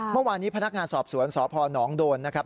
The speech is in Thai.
เมื่อวานนี้พนักงานสอบสวนสพนโดนนะครับ